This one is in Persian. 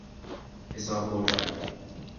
حساب بردن